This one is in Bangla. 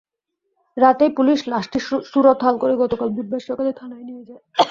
রাতেই পুলিশ লাশটির সুরতহাল করে গতকাল বুধবার সকালে থানায় নিয়ে যায়।